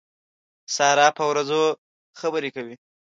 سارا په وروځو خبرې کوي.